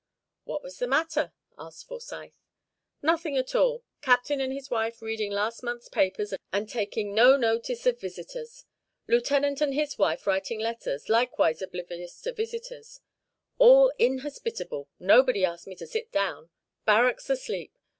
"What was the matter?" asked Forsyth. "Nothing at all. Captain and his wife reading last month's papers, and taking no notice of visitors. Lieutenant and his wife writing letters, likewise oblivious of visitors. All inhospitable nobody asked me to sit down. Barracks asleep.